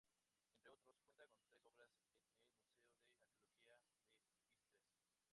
Entre otros, cuenta con tres obras en el Museo de Arqueología de Istres.